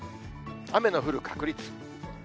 雨の降る確率。